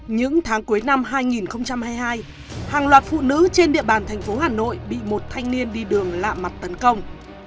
những tháng cuối năm hai nghìn hai mươi hai hàng loạt phụ nữ trên địa bàn thành phố hà nội bị một thanh niên đi đường lạ mặt tấn công